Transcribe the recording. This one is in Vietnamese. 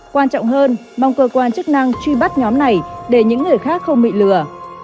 quan trọng hơn mong cơ quan chức năng truy bắt nhóm này để những người khác không bị lừa